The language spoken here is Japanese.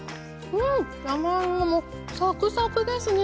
長芋もサクサクですね